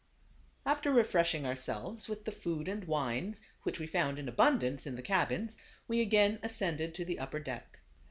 After refreshing ourselves with the food and wines, which we found in abundance in the cabins, we again ascended to the upper deck.